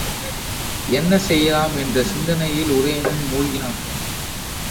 என்ன செய்யலாம் என்ற சிந்தனையில் உதயணன் மூழ்கினான்.